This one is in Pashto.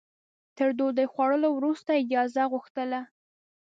تر ډوډۍ خوړلو وروسته اجازه غوښتله.